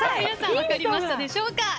皆さん、分かりましたでしょうか。